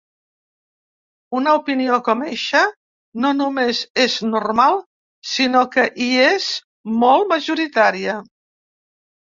Una opinió com eixa no només és normal, sinó que hi és molt majoritària.